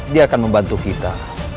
dia akan membantu kita